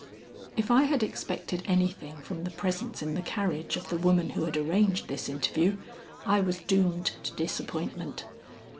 If I had expected anything from the presence in the carriage of the woman who had arranged this interview, I was doomed to disappointment.